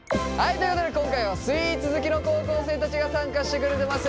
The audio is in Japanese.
ということで今回はスイーツ好きの高校生たちが参加してくれてます。